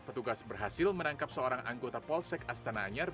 petugas berhasil menangkap seorang anggota polsek astana anyar